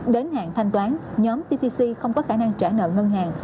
đến hạn thanh toán nhóm ttc không có khả năng trả nợ ngân hàng